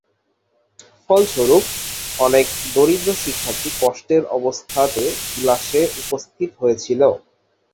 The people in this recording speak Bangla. ফলস্বরূপ, অনেক দরিদ্র শিক্ষার্থী কষ্টের অবস্থাতে ক্লাসে উপস্থিত হয়েছিল।